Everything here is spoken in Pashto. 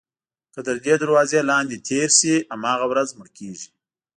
که تر دې دروازې لاندې تېر شي هماغه ورځ مړ کېږي.